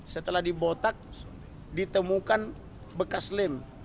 setelah di botak ditemukan bekas lem